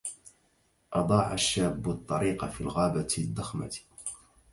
اضاع الشاب الطريق في الغابة الضخمة